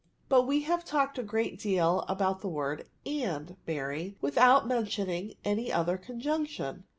But we have talked a great deal about the word and, Mary, without mentioning any other conjunction.